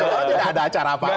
seolah olah tidak ada acara apa apa